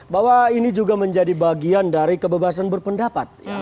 bahwa ini juga menjadi bagian dari kebebasan berpendapat